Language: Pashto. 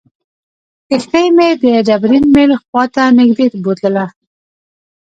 کښتۍ مې د ډبرین میل خواته نږدې بوتلله.